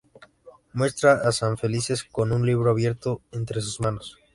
Muestra a San Felices con un libro abierto entre sus manos.